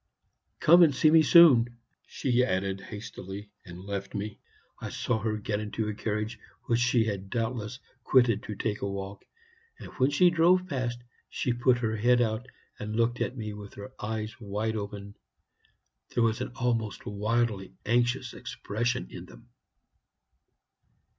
"'Come and see me soon,' she added hastily, and left me. I saw her get into a carriage, which she had doubtless quitted to take a walk; and when she drove past, she put her head out and looked at me with her eyes wide open there was an almost wildly anxious expression in them.